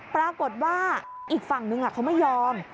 ปรากฏว่าอีกฝั่งนึงเขาไม่ยอม